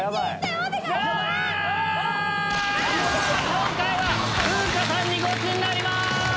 今回は風花さんにゴチになります！